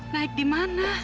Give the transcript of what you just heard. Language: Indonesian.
naik di mana